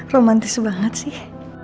romantis banget sih